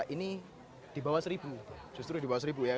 ini dibawah seribu justru dibawah seribu ya